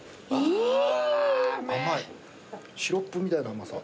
・シロップみたいな甘さ。